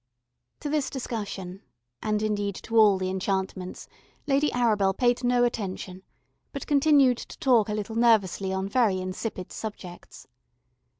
To this discussion, and indeed to all the enchantments, Lady Arabel paid no attention, but continued to talk a little nervously on very insipid subjects.